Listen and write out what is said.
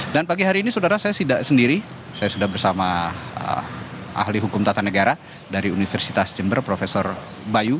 dan pagi hari ini saudara saya sudah sendiri saya sudah bersama ahli hukum tata negara dari universitas jember prof bayu